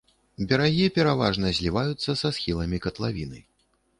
Берагі пераважна зліваюцца са схіламі катлавіны.